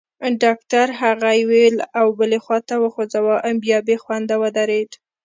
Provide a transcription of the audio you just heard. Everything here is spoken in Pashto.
ډاکټر هغه یوې او بلې خواته وخوځاوه، بیا بېخونده ودرېد.